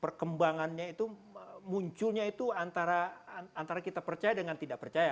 perkembangannya itu munculnya itu antara kita percaya dengan tidak percaya